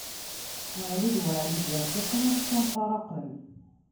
Ɛli d Weɛli d irfiqen, assa mfaraqen.